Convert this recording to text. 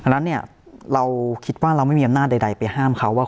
นั้นเนี่ยเราคิดว่าเราไม่มีอำนาจใดไปห้ามเขาว่า